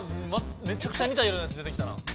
めちゃくちゃにた色のやつ出てきたな。